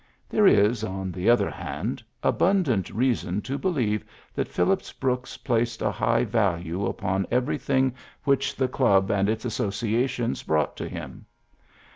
There is, on the other hand, abun dant reason to believe that Phillips Brooks placed a high value upon every thing which the club and its associations brought to him.